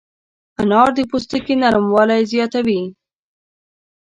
انار د پوستکي نرموالی زیاتوي.